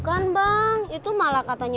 abang tunggu di sini